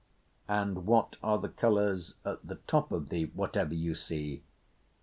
"And what are the colours at the top of the—whatever you see?"